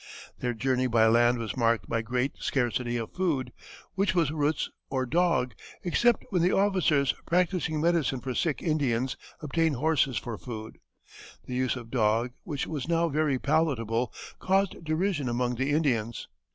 Their journey by land was marked by great scarcity of food, which was roots or dog, except when the officers, practicing medicine for sick Indians, obtained horses for food. The use of dog, which was now very palatable, caused derision among the Indians.